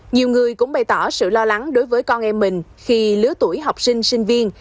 nhiều người cũng bày tỏ sự lo lắng đối với con em mình khi lứa tuổi học sinh sinh viên